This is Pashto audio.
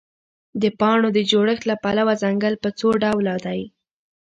د پاڼو د جوړښت له پلوه ځنګل په څوډوله دی؟